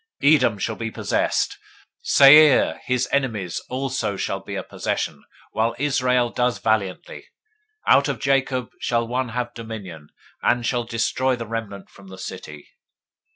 024:018 Edom shall be a possession. Seir, his enemies, also shall be a possession, while Israel does valiantly. 024:019 Out of Jacob shall one have dominion, and shall destroy the remnant from the city.